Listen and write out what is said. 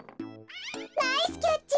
ナイスキャッチ！